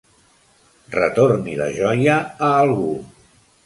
Retorni la joia a algú.